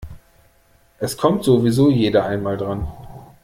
Es kommt sowieso jeder einmal dran.